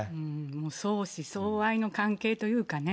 もう、相思相愛の関係というかね。